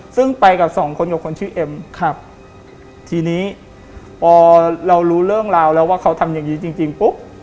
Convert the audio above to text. ซึ่งไปกับสองคนกับคนชื่อเอ็มครับทีนี้พอเรารู้เรื่องราวแล้วว่าเขาทำอย่างงี้จริงจริงปุ๊บ